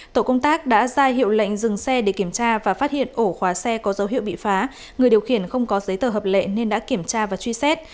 tổ công tác đã ra hiệu lệnh dừng xe để kiểm tra và phát hiện ổ khóa xe có dấu hiệu bị phá người điều khiển không có giấy tờ hợp lệ nên đã kiểm tra và truy xét